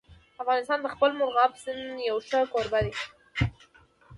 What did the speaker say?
افغانستان د خپل مورغاب سیند یو ښه کوربه دی.